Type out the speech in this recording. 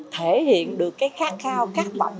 thể hiện được cái khát khao khát lòng